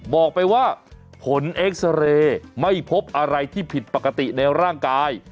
บอกไปว่าผลเอ็กซาเรย์ไม่พบอะไรที่ผิดปกติในร่างกาย